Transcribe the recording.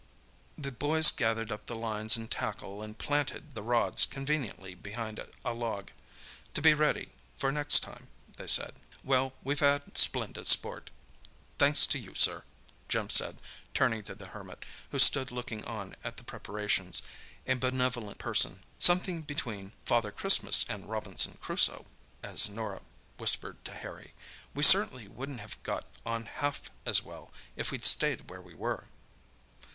The boys gathered up the lines and tackle and "planted" the rods conveniently behind a log, "to be ready for next time," they said. "Well, we've had splendid sport, thanks to you, sir," Jim said, turning to the Hermit, who stood looking on at the preparations, a benevolent person, "something between Father Christmas and Robinson Crusoe," as Norah whispered to Harry. "We certainly wouldn't have got on half as well if we'd stayed where we were."